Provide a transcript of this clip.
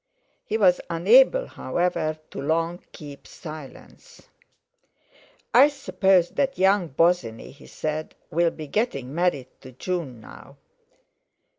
He was unable, however, to long keep silence. "I suppose that young Bosinney," he said, "will be getting married to June now?"